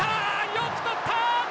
よく捕った！